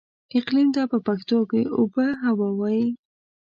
اقليم ته په پښتو کې اوبههوا وايي.